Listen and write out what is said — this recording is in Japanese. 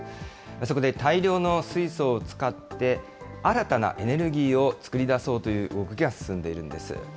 そこで大量の水素を使って、新たなエネルギーを作り出そうという動きが進んでいるんです。